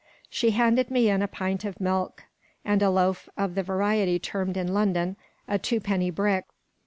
She handed me in a pint of milk, and a loaf of the variety termed in London a "twopenny brick."